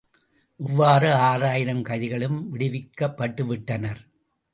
இவ்வாறு ஆறாயிரம் கைதிகளும் விடுவிக்கப்பட்டு விட்டனர்.